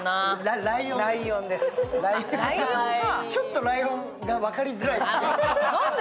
ちょっとライオンが分かりづらい。